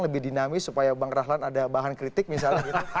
lebih dinamis supaya bang rahlan ada bahan kritik misalnya gitu